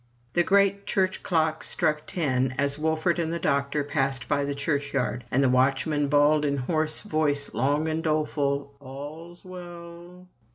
The great church clock struck ten as Wolfert and the doctor passed by the church yard, and the watchman bawled in hoarse voice a long and doleful Airs well!'